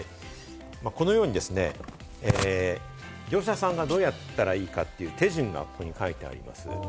このようにですね、業者さんがどうやったらいいかという手順が、ここに書いてあるんです。